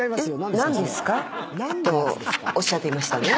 何ですか？」とおっしゃっていましたね。